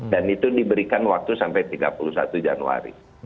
dan itu diberikan waktu sampai tiga puluh satu januari